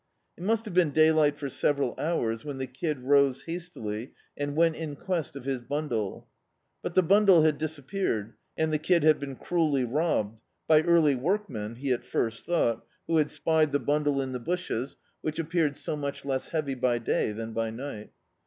It must have been daylight for several hours when the Kid rose hastily and went in quest of his bimdle. But the bundle had disappeared, and the Kid had been cruelly robbed, by early workmen he at first thought, who had spied the bundle in the bushes, which appeared so much less heavy by day than by ni^t.